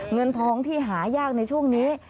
เงินทองที่หายากในช่วงนี้